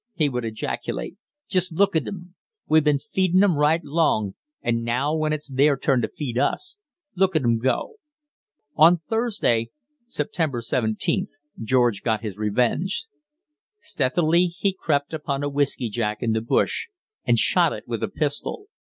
he would ejaculate. "Just look at 'em! We've been feedin' 'em right long, and now when it's their turn to feed us, look at 'em go!" On Thursday (September 17th) George got his revenge. Stealthily he crept upon a whiskey jack in the bush and shot it with a pistol.